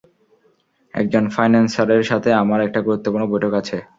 একজন ফাইন্যান্সারের সাথে আমার একটা গুরুত্বপূর্ণ বৈঠক আছে।